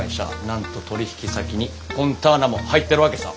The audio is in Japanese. なんと取り引き先にフォンターナも入ってるわけさ。